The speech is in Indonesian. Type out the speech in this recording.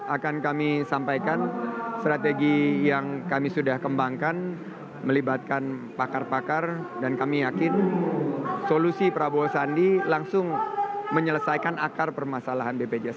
akan kami sampaikan strategi yang kami sudah kembangkan melibatkan pakar pakar dan kami yakin solusi prabowo sandi langsung menyelesaikan akar permasalahan bpjs